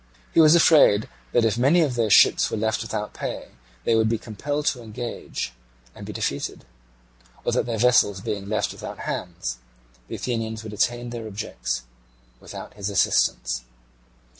He was afraid that if many of their ships were left without pay they would be compelled to engage and be defeated, or that their vessels being left without hands the Athenians would attain their objects without his assistance.